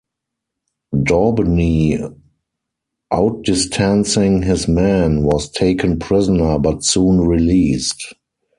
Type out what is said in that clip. Daubeny, outdistancing his men, was taken prisoner, but soon released.